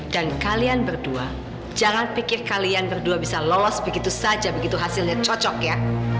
dan kalian berdua jangan pikir kalian berdua bisa lolos begitu saja begitu hasilnya cocok ya